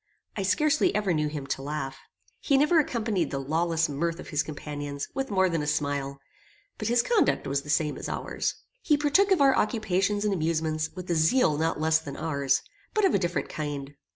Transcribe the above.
I scarcely ever knew him to laugh. He never accompanied the lawless mirth of his companions with more than a smile, but his conduct was the same as ours. He partook of our occupations and amusements with a zeal not less than ours, but of a different kind.